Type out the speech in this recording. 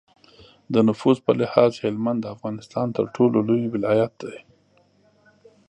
د نفوس په لحاظ هلمند د افغانستان تر ټولو لوی ولایت دی.